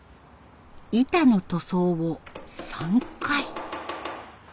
板の塗装を３回。